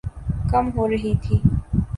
کم ہو رہی تھِی